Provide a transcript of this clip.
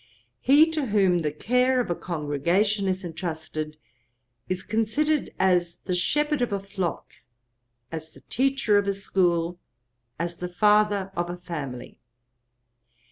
He, to whom the care of a congregation is entrusted, is considered as the shepherd of a flock, as the teacher of a school, as the father of a family.